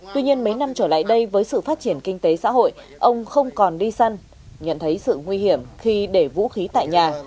tuy nhiên mấy năm trở lại đây với sự phát triển kinh tế xã hội ông không còn đi săn nhận thấy sự nguy hiểm khi để vũ khí tại nhà